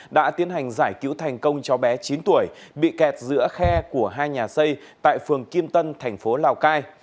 đã tiến hành giải cứu thành công cháu bé chín tuổi bị kẹt giữa khe của hai nhà xây tại phường kim tân thành phố lào cai